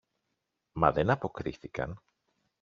Μα δεν αποκρίθηκαν.